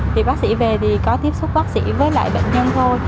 thì bác sĩ về thì có tiếp xúc bác sĩ với lại bệnh nhân thôi